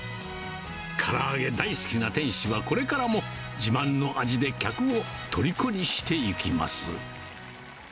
から揚げ大好きな店主はこれからも自慢の味で客をとりこにしていきます。